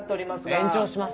延長します。